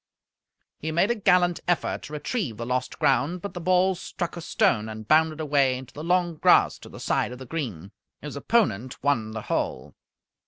He made a gallant effort to retrieve the lost ground, but the ball struck a stone and bounded away into the long grass to the side of the green. His opponent won the hole.